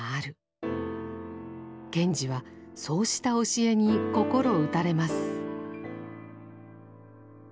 賢治はそうした教えに心打たれます。